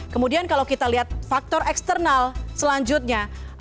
kemudian kalau kita lihat faktor eksternal selanjutnya